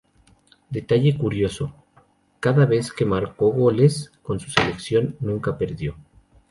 Detalle curioso: cada vez que marcó goles con su selección, nunca perdió.